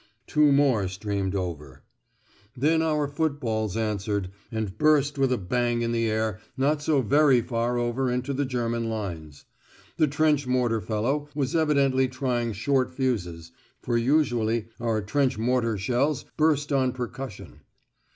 Two more streamed over. Then our footballs answered, and burst with a bang in the air not so very far over into the German lines. The trench mortar fellow was evidently trying short fuses, for usually our trench mortar shells burst on percussion.